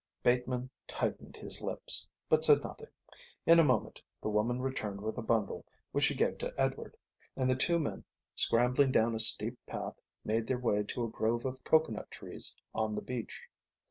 Bateman tightened his lips, but said nothing. In a moment the woman returned with a bundle, which she gave to Edward; and the two men, scrambling down a steep path, made their way to a grove of coconut trees on the beach.